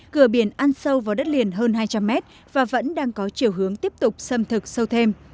cửa biển ăn sâu vào đất liền hơn hai trăm linh mét và vẫn đang có chiều hướng tiếp tục xâm thực sâu thêm